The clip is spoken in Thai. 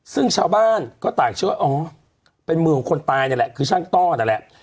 ซึ่งชาวบ้านก็ต่างเชื่อว่าอ๋อเป็นมือของคนตายนั่นแหละคือช่างต้อนั่นแหละ